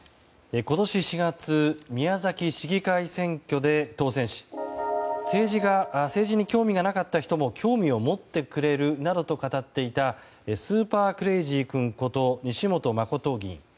今年４月宮崎市議会選挙で当選し政治に興味がなかった人も興味を持ってくれるなどと語っていたスーパークレイジー君こと西本誠議員。